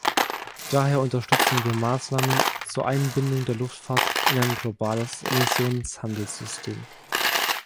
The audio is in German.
Daher unterstützen wir Maßnahmen zur Einbindung der Luftfahrt in ein globales Emissionshandelssystem.